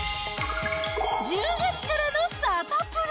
１０月からのサタプラ。